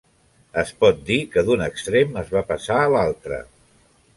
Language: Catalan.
Es pot dir que d'un extrem es va passar a l'altre.